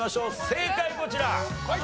正解こちら！